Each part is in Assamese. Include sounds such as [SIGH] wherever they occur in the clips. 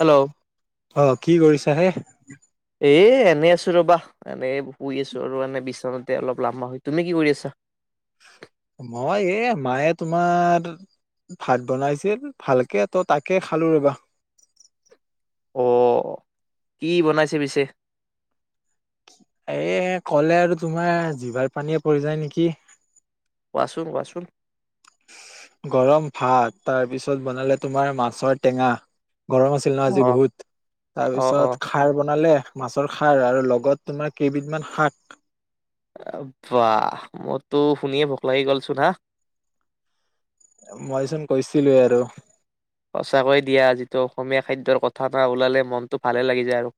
হেল্ল' আহ, কি কৰিছা হে। এনে আছো ৰবা, এনে শুই আছো আৰু এনে বিচনাতে অলপ লম্বা হৈ, তুমি কি কৰি আছা? মই এ মায়ে তোমাৰ ভাত বনাইছিল ভালকে ত তাকে খালো ৰবা অ, কি বনাইছে পিছে? এ, ক'লে আৰু তোমাৰ জিবাৰ পানীয়ে পৰি যায় নেকি। কোৱা চোন কোৱা চোন। গৰম ভাত তাৰপিছত বনালে তোমাৰ, মাছৰ টেঙা। গৰম আছিল ন, আজি অ বহুত তাৰ অ অ পিছত খাৰ বনালে। মাছৰ খাৰ আৰু লগত তোমাৰ, কেইবিধমান শাক। বাহ মইতো শুনিয়ে ভোক লাগি গল চোন হা। মইচোন কৈছিলো এ আৰু। সঁচাকৈয়ে দিয়া, যিটো অসমীয়া খাদ্যৰ কথা এটা ওলালে মনটো ভালে লাগি যায় আৰু।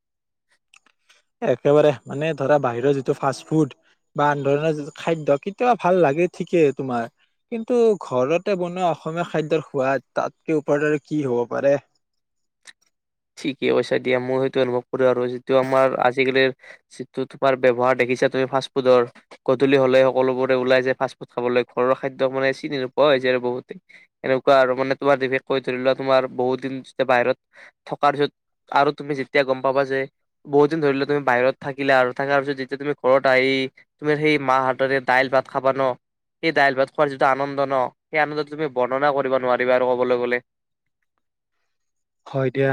একেবাৰে মানে ধৰা বাহিৰৰ যিটো ফাষ্ট ফুড বা আন ধৰণৰ যিটো খাদ্য, কেতিয়াবা ভাল লাগে ঠিকেই তোমাৰ কিন্তু ঘৰতে বনোৱা অসমীয়া খাদ্যৰ সোৱাদ তাতকে ওপৰতৰে কি হব পাৰে? ঠিকে কৈছা দিয়া, মোৰ সেইটো আলপ। কৰে আৰু যিটো আমাৰ, আজিকালিৰ। যিটো তোমাৰ ব্যৱহাৰ দেখিছা তুমি ফাষ্টফুডৰ গধূলি হলে সকলোবোৰে ওলাই যায়, ফাষ্টফুড খাবলৈ ঘৰৰ খাদ্য মানে চিনি নোপোৱা হৈ যায় আৰু বহুতে, এনেকুৱা আৰু মানে তোমাৰ কৈ ধৰি লোৱা তোমাৰ বহুত দিন যেতিয়া বাহিৰত। থকাৰ পিছত আৰু তুমি যেতিয়া গম পাবা যে বহুত দিন ধৰি ললে তুমি বাহিৰত থাকিলা আৰু থকাৰ পিছত যেতিয়া তুমি ঘৰত আহি তুমি সেই মাহ হাততেৰে দাইল ভাত খাবা ন সেই দাইল ভাত খোৱাৰ যিটো আনন্দ ন সেই আনন্দ তুমি বৰ্ণনা কৰিব নোৱাৰিবা আৰু কবলৈ গলে [UNINTELLIGIBLE] হয় দিয়া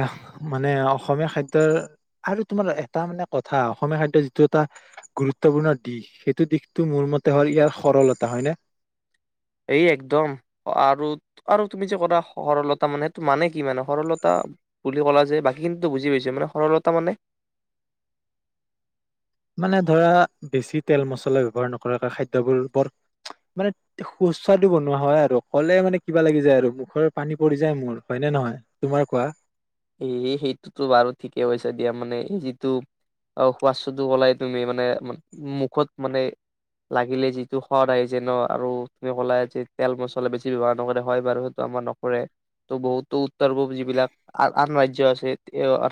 মানে অসমীয়া খাদ্যৰ আৰু তোমাৰ এটা মানে কথা অসমীয়া খাদ্যৰ যিটো এটা গুৰুত্বপূৰ্ণ দিশ, সেইটো দিশটো মোৰ মতে হ'ল ইয়াৰ সৰলতা হয়নে? এই একদম আৰু আৰু তুমি যে কৰা সৰলতা মানে সেইটো মানে কি, মানে সৰলতা বুলি কলা যে বাকীখিনো বুজি পাইছো মানে সৰলতা মানে। মানে ধৰা বেছি তেল মছলা ব্যৱহাৰ নকৰা খাদ্যবোৰ বৰ মানে সুস্বাদু বনোৱা হয় আৰু ক'লে মানে কিবা লাগি যায় আৰু মুখৰ পানী পৰি যায় মোৰ হয়নে নহয় তোমাৰ কোৱা। স সেইটোতো বাৰু ঠিকে হৈছে দিয়া মানে এই যিটো অ শুৱাসটো কলাই তুমি মানে মুখত মানে লাগিলে যিটো সোৱাদ আহি যে ন আৰু তুমি কলা যে তেল মছলা বেছি ব্যৱহাৰ নকৰে, হয় বাৰু সেইটো আমাৰ নকৰে ত বহুতো। উত্তৰ পূব যিবিলাক [UNINTELLIGIBLE] আন ৰাজ্য় আছে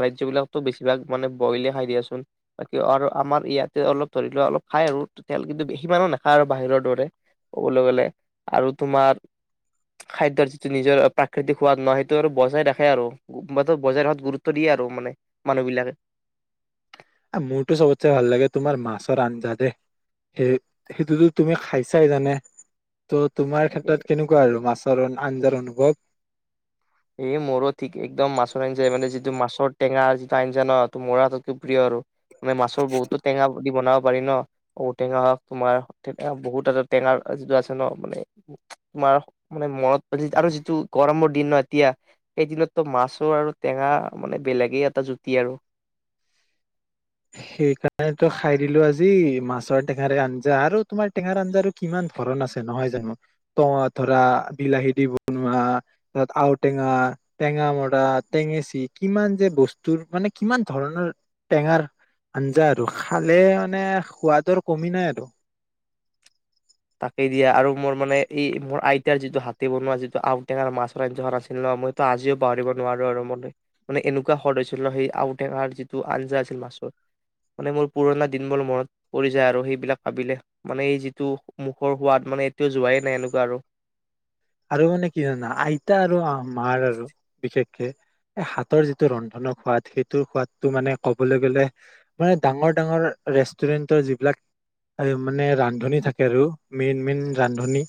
ৰাজ্যৰ বিলাকতো বেছিভাগ মানে বইলে খাই দিয়াচোন ক আৰু আমাৰ ইয়াতে অলপ ধৰি লোৱা অলপ খায় আৰু তেল কিন্তু বেছি মানুহ নাখায় আৰু বাহিৰৰ দৰে ক'বলৈ গলে আৰু তোমাৰ খাদ্যয়ৰ যিটো নিজৰ প্ৰাকৃতিক সোৱাদ নহয় সেইটো আৰু বজাই ৰাখে আৰু মতো বজাই সাত গুৰুত্ব দিয়ে আৰু মানে মানুহ বিলাকে। মোৰতো চবতচে ভাল লাগে তোমাৰ মাছৰ আঞ্জা দে সেই সেইটোতো তুমি খাইছাই জানে? ত' তোমাৰ ক্ষেত্ৰত কেনেকুৱা আৰু মাছ? চৰ আঞ্জাৰ অনুভৱ? এই মৰো ঠিক একদম মাছৰ আঞ্জা মানেিটো মাছৰ টেঙাৰ যিটো আঞ্জা ন ত মৰা ততকৈ প্ৰিয় আৰু। আমে মাছৰ বহুতো টেঙা দি বনাওঁ, পাৰি ন ঔটেঙা হওক তোমাৰ বহুত এটা টেঙা যিটো আছে ন মানে তোমাৰ মানে মন আৰু যিটো গৰমৰ দিন নহ। এতিয়া সেইদিনতো মাছৰ আৰু টেঙা মানে বেলেগেই এটা জুতি আৰু সেইকাৰণেতো খাই দিলো আজি। মাছৰ টেঙাৰে আঞ্জা আৰু। তোমাৰ টেঙাৰ আঞ্জা কিমান ধৰন আছে নহয় জানো টঙ ধৰা বিলাহী দি বনোৱা ত আওটেঙা টেঙা মৰা টেঙেচি, কিমান যে বস্তুৰ মানে কিমান ধৰণৰ টেঙাৰ আঞ্জা আৰু খালে মানে সোৱাদৰ কমি নাই আৰু। তাকেই দিয়া আৰু মোৰ মানে এই মোৰ আইতাৰ যিটো হাতে বনোৱা যিটো আউটেঙাৰ মাছৰ আঞ্জাখন আছিল ন মইো আজিও পাহৰিব নোৱাৰো আৰু ম মানে এনেকুৱা স্ৰদ হৈছিল ন সেই আউটেঙাৰ যিটো আঞ্জা আছিল মাছৰ মানে মোৰ পুৰণা দিনবোৰ মনত পৰি যায় আৰু সেইবিলাক ভাবিলে মানে এই যিটো। মুখৰ সোৱাদ মানে এতিয়াও যোৱাই নাই এনেকুৱা আৰু। আৰু মানে কি জানা আইতা আৰু? মাৰ আৰু বিশষেষ হাতৰ যিটো ৰন্ধনৰ সোৱাদ সেইটো সোৱাদতটো মানে কবলৈ গলে মানে ডাঙৰ ডাঙৰ ৰেষ্টুৰেন্টৰ যিবিলাক এ মানে ৰান্ধনী থাকে আৰু মেইন মেইন ৰান্ধনী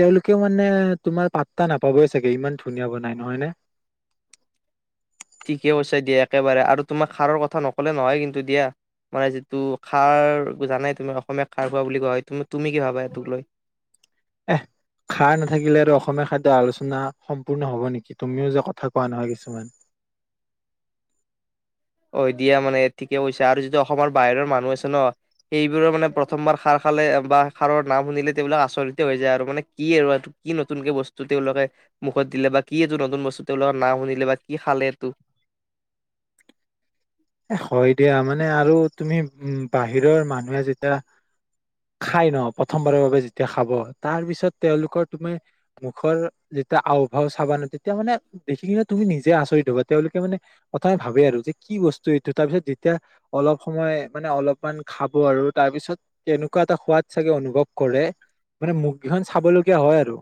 তেওঁলোকেও মানে, তোমাৰ পাতটা নাপাবই চাগে ইমান ধুনীয়া বনাই নহয় নে? ঠিকে কৈছা দিয়া একেবাৰে আৰু তোমাক খাৰৰ কথা নকলে নহয় কিন্তু দিয়া মানে যিটো খাৰ জানাই তুমি অসমীয়া খাৰ খোৱা বুলি কোৱা হয় তুমি কি ভাবা সটোক লৈ? এ খাৰ নাথাকিলে আৰু অসমীয়া খাদ্যৰ আলোচনা সম্পূৰ্ণ হব নেকি? তুমিও যে কথা কোৱা নহয় কিছুমান। হয় দিয়া মানে ঠিকে কৈছা আৰু যিটো অসমৰ বাহিৰৰ মানুহ আছে ন সেইবোৰৰ মানে প্ৰথমবাৰ খাৰ খালে বা খাৰৰ নাম শুনিলে তেওঁলিলাক আচৰিতে হৈ যায় আৰু মানে কি আৰু কি নতুনকে বস্তু তেওঁলোকে মুখত দিলে বা কি এইটো নতুন বস্তু তেওঁলোকৰ নাম শুনিলে বা কি খালে এইটো। এ হয় দিয়া মানে আৰু তুমি উম বাহিৰৰ মানুহে যেতিয়া খাই ন প্ৰথমবাৰৰ বাবে যেতিয়া খাব তাৰ পিছত তেওঁলোকৰ তুমি মুখৰ যেতিয়া আওভাও চাবা ন তেতিয়া মানে দেখি কিনে তুমি নিজে আচৰিত হবা তেওঁলোকে মানে প্ৰথমে ভাবে আৰু যে কি বস্তু? ৃ তাৰপিছত যেতিয়া অলপ সময় মানে অলপমান খাব আৰু তাৰ পিছত তেনেকুৱা এটা সোৱাদ চাগে অনুভৱ কৰে মানে মুগকেইখন চাবলগীয়া হয় আৰু।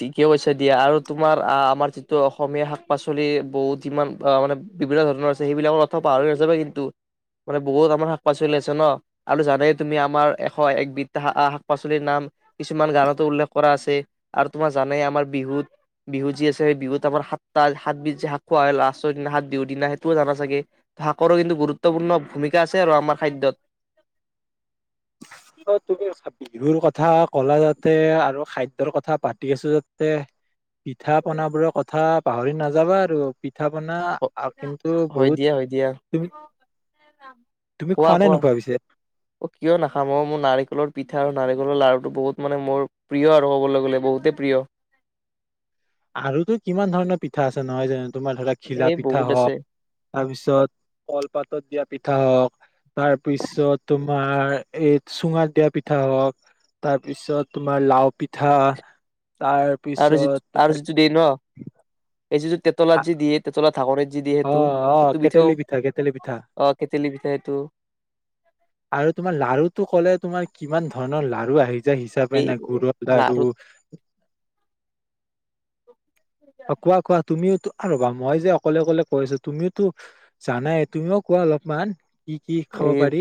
ঠিকে হৈছে দিয়া আৰু তোমাৰ আহ আমাৰ যিটো অসমীয়া শাক পাচলি বহুত যিমান অহ মানে বিভিন্ন ধৰণৰ আছে সেইবিলাক কথা পাহৰি গৈছাএ কিন্তু মানে বহুত আমাৰ শাক পাচলি আছে ন আৰু জানেই তুমি আমাৰ এশ একবিধ শাক পাচলিৰ নাম কিছুমান গানতো উল্লেখ কৰা আছে। আৰু তোমাৰ জানে আমাৰ বিহুত বিহু যি আছে সেই বিহুত আমাৰ সাতটা সাতবিধ যে শাক খোৱা হয় লাষ্টৰ দিনা সাত বিহুৰ দিনা সেইটোও জানা চাগে শাকৰো কিন্তু গুৰুত্বপূৰ্ণ ভূমিকা আছে আৰু আমাৰ খাদ্যত। অ তুমি বিহুৰ কথা কলা যাতে আৰু খাদ্যৰ কথা পাতি আছো যাতে পিঠা পন বোৰৰ কথা পাহৰি নাযাবা আৰু। পিঠা পনা কিন্তু হয় বহুত দিয়া হয় দিয়া তুমি তুমি কোৱা খোৱা নে কোৱা নোখোৱা পিছে? অ কিয় নাখাম অ মোৰ নাৰিকলৰ পিঠা আৰু নাৰিকলৰ লাড়ুটো বহুত মানে মোৰ প্ৰিয় আৰু ক'বলৈ গ'লে বহুতেই প্ৰিয়। আৰুতো কিমান ধৰণৰ পিঠা আছে? নহয় যেন তোমাৰ ধৰা ঘিলা এই পিঠা বহুত হওক আছে তাৰপিছত কলপাতত দিয়া পিঠা, পিঠা হওক তাৰপিছত তোমাৰ এই চুঙাত দিয়া পিঠা হওঁক তাৰপিছত তোমাৰ লাও পিঠা, তাৰ পিছত দি ন? এইটো টে তলত দিয়ে যে তেতলত? অ অ কেতেলি পিঠা কেতেলী পিঠা অ কেতেলী পিঠা সেইটো আৰু তোমাৰ লাৰুটো কলে তোমাৰ কিমান ধৰ? লাৰু আহিছে, হিচাপে এই নে গুৰৰ লাডু লাৰুত কোৱা কোৱা? তুমিওতো এ ৰবা মই য়ে যে অকলে অকলে কৈছো তুমিওতো জানাই তুমিও কোৱা অলপমান কি কি খাব এ পাৰি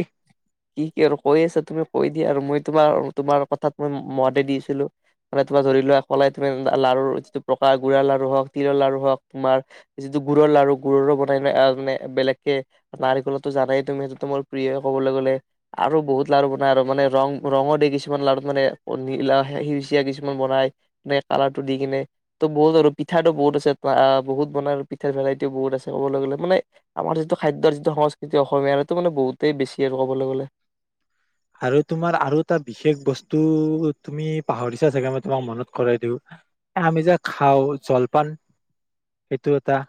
কি কি আৰু কৈ আছা তুমি কৈ দিয়া আৰু মই তোমাৰ তোমাৰ কথাত মই মতে দিছিলো মে তোমাৰ ধৰি লোৱা কলাই তুমি লাৰুৰ যিটো পকা গুডাৰ লাৰু হওঁক তিলৰ লাৰু হওক তোমাৰ যিটো গুুৰৰ লাৰু গুুৰৰো বনাই নানে বেলেগকে নাৰিকলতো জানাই তুমি সেই মোৰ প্ৰিয় ক'বলৈ গ'লে আৰু বহুত লাৰু বনাই আৰু মানে ৰং ৰঙো দে কিছুমান লাৰু মানে ল সেউচিয়া কিছুমান বনাই যে কালাৰটো দি কিনে ত বহুত আৰু পিঠাটো বহুত আছে বহুত বনাই আৰু পিঠাৰ ভেৰাইটিও বহুত আছে ক'বলৈ গ'লে মানে আমাৰ যিটো খাদ্যৰ যিটো সংস্কৃতি অসমীয়াৰ বহুতেই বেছি আৰু ক'বলৈ গ'লে আৰু তোমাৰ আৰু এটা বিশেষ বস্তু তুমি পাহৰিছা জেগা মই তোমাক মনত কৰাই দিওঁ এ আমি যে খাওঁ জলপান সেইটো এটা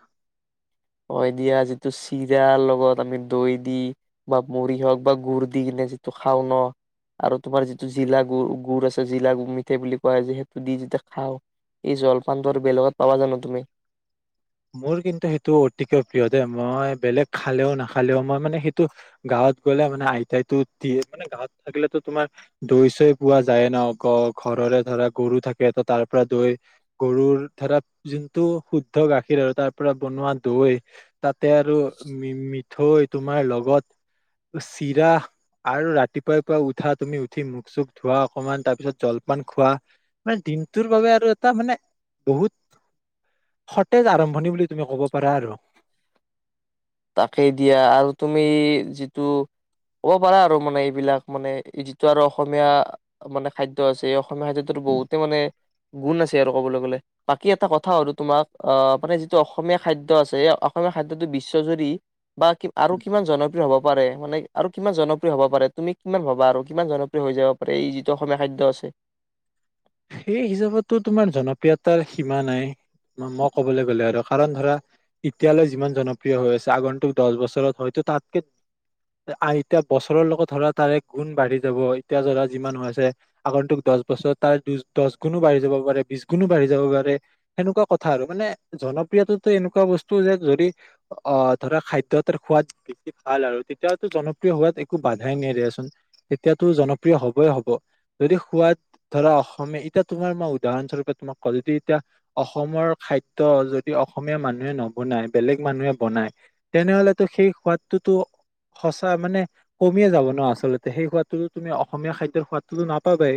অ দিয়া যিটো চিৰা লগত আমি দৈ দি বা মুড়ি হওঁক বা গুড় দি কিনে যিটো খাওঁ ন আৰু তোমাৰ যিটো জিলা গু গুড় আছে জিলা মিঠে বুলি কোৱা যে সেইটো দি যেতিয়া খাওঁ এই জলপানটো আৰু বেলেগত পাবা জানো তুমি মোৰ কিন্তু সেইটো অতিকৈ প্ৰিয় দে মই বেলেগ খালেও নাখালেও মই মানে সেইটো গাঁৱত গ'লে মানে আইতাইতো দিয়ে মানে গাঁৱত থাকিলেতো তোমাৰ দৈ চৈ পোৱা যায় ন ঘৰৰে ধৰা গৰু থাকে ত তাৰ পৰা দৈ গৰুৰ ধৰা যোনটো শুদ্ধ গাখীৰ গীৰ আৰু তাৰ পৰা বনোৱা দৈ তাতে আৰু মিঠৈ তোমাৰ লগত চিৰা আৰু ৰাতিপুৱাই পৰাুৱ উঠা তুমি উঠি মুখ চুখ ধোৱা অকমান তাৰ পিছত জলপান খোৱা মানে দিনটোৰ বাবে আৰু এটা মানে বহুত জ আৰম্ভণি বুলি তুমি ক'ব পাৰা আৰু তাকেই দিয়া আৰু তুমি যিটো ক'ব পাৰা আৰু মানে এইবিলাক মানে যিটো আৰু অসমীয়া মানে খাদ্য আছে এই অসমীয়া খাদ্যটোৰ বহুতে মানে গুণ আছে আৰু কবলৈ গলে বাকী এটা কথা হল তোমাক আহ মানে যিটো অসমীয়া খাদ্যয় আছে অসমীয়া খাদ্যটো বেছি ুৰি বা আৰু কিমান জনপ্ৰিয় হ'ব পাৰে মানে আৰু কিমান জনপ্ৰিয় হ'ব পাৰে তুমি কিমান ভাবা আৰু কিমান জনপ্ৰিয় হৈ যাব পাৰে এই যিটো অসমীয়া খাদ্য আছে সেই হিচাপতো তোমাৰ জনপ্ৰিয়তাৰ সীমা নাই মই কবলৈ গ'লে আৰু কাৰণ ধৰা এতিয়ালৈ যিমান জনপ্ৰিয় হৈ আছে আগন্তুক দহ বছৰত হয়তো তাতকে এতিয়া বছৰৰ লগত ধৰা তাৰে গুণ বাঢ়ি যাব এতিয়া ধৰা যিমান হৈ আছে আগন্তুক দহ বছৰত তাৰ দু দহ গুণো বাঢ়ি যাব পাৰে বিশ গুণো বাঢ়ি যাব পাৰে সেনেকুৱা কথা আৰু মানে জনপ্ৰিয়ততো এনেকুৱা বস্তু যে যদি অ ধৰা খাদ্যয় এটাৰ সোৱাদ বেছি ভাল আৰু তেতিয়ো জনপ্ৰিয় হোৱাত একো বাধাই নিয়ে দিয়াচোন তেতিয়াতো জনপ্ৰিয় হবই হব যদি সোৱাদ ধৰা অসমীয়া এতিয়া তোমাৰ মই উদাহৰণস্বৰূপে তোমাক কওঁ য এতিয়া অসমৰ খাদ্য যদি অসমীয়া মানুহে নবনায় বেলেগ মানুহে বনায় তেনেহলেতো সেই সোৱাদটোতো সচা মানে কমিয়ে যাব ন আচলতে সেই সোৱাদটোতো তুমি অসমীয়া খাদ্যয়ৰ সোৱাদটোতো নাপাবাই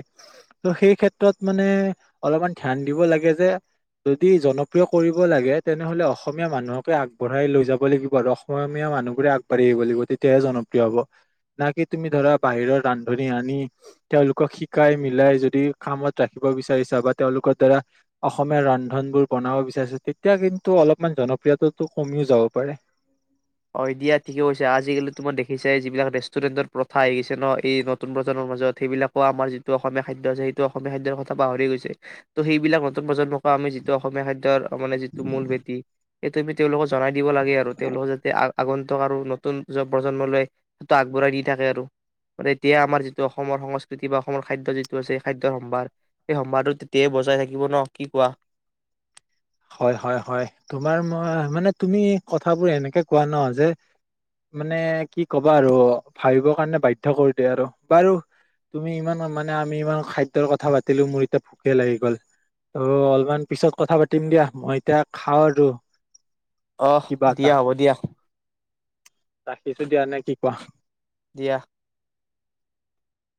ত' সেই ক্ৰত ক্ষ্ৰত মানে অলপমান ধ্যান দিব লাগে যে যদি জনপ্ৰিয় কৰিব লাগে তেনেহলে অসমীয়া মানুহকে আগবঢ়াই লৈ যাব লাগিব আৰু অসমীয়া মানুহবোৰে আগবাঢ়ি আহিব লাগিব তেতিয়াহে জনপ্ৰিয় হ'ব ন কি তুমি ধৰা বাহিৰৰ ৰান্ধনি আনি তেওঁলোকক শিকাই মিলাই যদি খামত ৰাখিব বিচাৰিছা বা তেওঁলোকৰ দ্বাৰা অসমীয়া ৰন্ধন বোৰ বনাব বিচাৰিছা তেতিয়া কিন্তু অলপমান জনপ্ৰিয়তো কমিও যাব পাৰে অ দিয়া ঠিকে কৈছে আজিকালি তোমাৰ দেখিছাই যিবিলাক ৰেষ্টুৰেণ্টৰ প্ৰথা আহি গিছে ন এই নতুন প্ৰজন্মৰ মাজত সেইবিলাকো আমাৰ যিটো অসমীয়া খাদ্য আছে সেইটো অসমীয়া খাদ্যৰ কথা পাহৰি গৈছে ত' সেইবিলাক নতুন প্ৰজন্মকো আমি যিটো অসমীয়া খাদ্য ত মানে যিটো মূল বেটি এইটো আমি তেওঁলোকক জনাই দিব লাগে আৰু তেওঁলোকক যে তে আগন্তুক আৰু নতুন প্ৰজন্মলৈ সেইটো আগবঢ়াই দি থাকে আৰু মান তেতিয়াই আমাৰ যিটো অসমৰ সংস্কৃতি বা অসমৰ খাদ্য যিটো আছে স খাদ্যয়ৰ সম্ভাৰ সেই সম্ভাৰটো তেতিয়াই বজাই থাকিব ন কি কোৱা হয় হয় হয় তোমাৰ মই মানে তুমি কথাবোৰ এনেকে কোৱা ন যে মানে কি কবা আৰু ভাবিব কাৰণে বাধ্য কৰি দিয় আৰু বাৰু তুমি ইমান মানে আমি ইমান খাদ্যৰ কথা পাতিলো মোৰ এতিয়া ভোকে লাগি গল ত অলপমান পিছত কথা পাতি পাতিম দিয়া মই এতিয়া খাওঁ আৰু আহ কিবা এটা দিয়া হ'ব দিয়া ৰাখিছো দিয়া আৰু নে কি কোৱা দিয়া